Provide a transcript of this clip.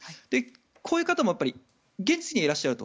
こういう方も現実にはいらっしゃると。